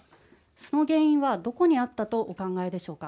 その原因はどこにあったとお考えでしょうか。